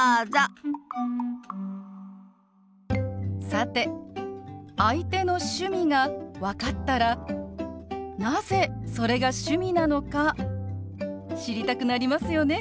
さて相手の趣味が分かったらなぜそれが趣味なのか知りたくなりますよね。